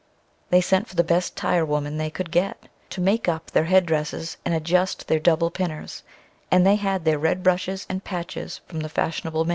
They sent for the best tire woman they could get, to make up their head dresses, and adjust their double pinners, and they had their red brushes, and patches from the fashionable maker.